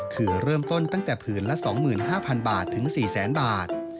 คือเริ่มต้นตั้งแต่ผืนละ๒๕๐๐๐บาทถึง๔แสนบาท